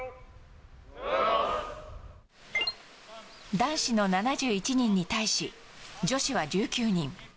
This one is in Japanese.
男子の７１人に対し女子は１９人。